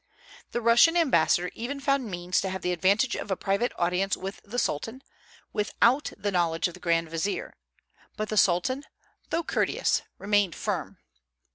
The Russian ambassador even found means to have the advantage of a private audience with the Sultan, without the knowledge of the grand vizier; but the Sultan, though courteous, remained firm.